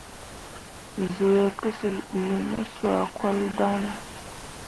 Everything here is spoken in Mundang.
Zuu ye kǝsyil bi ne soa kal daŋ ne ?